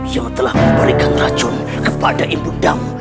yang telah memberikan racun kepada ibundam